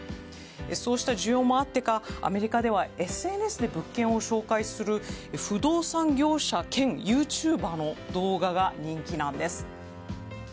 そうした需要もあってかアメリカではＳＮＳで物件を紹介する不動産業者兼ユーチューバーの動画が人気なんです。